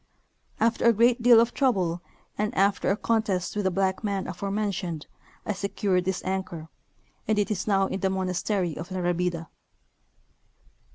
After a great deal of trouble and after a con test with the black man aforementioned I secured this anchor, and it is now in the monastery of La Rabida.